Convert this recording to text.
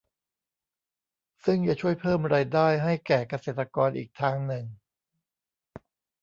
ซึ่งจะช่วยเพิ่มรายได้ให้แก่เกษตรกรอีกทางหนึ่ง